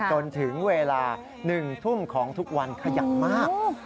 จนถึงเวลา๑ทุ่มของทุกวันขยันมาก